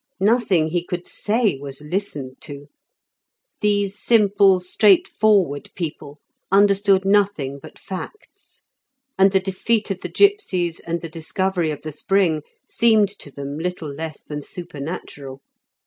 Nothing he could say was listened to; these simple, straightforward people understood nothing but facts, and the defeat of the gipsies and the discovery of the spring seemed to them little less than supernatural.